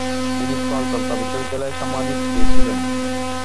তিনি কলকাতা বিশ্ববিদ্যালয়ের সাম্মানিক ফেলো ছিলেন।